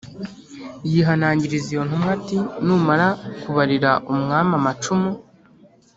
yihanangiriza iyo ntumwa ati “Numara kubarira umwami amacumu